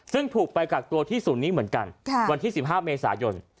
ซึ่งถูกไปกักตัวที่ศูนย์นี้เหมือนกันวันที่๑๕เมษายน